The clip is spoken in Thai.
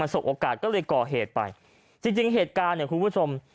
สบโอกาสก็เลยก่อเหตุไปจริงจริงเหตุการณ์เนี่ยคุณผู้ชม